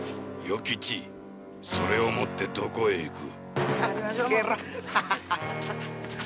与吉それを持ってどこへ行く？